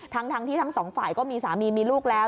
ทั้งที่ทั้งสองฝ่ายก็มีสามีมีลูกแล้ว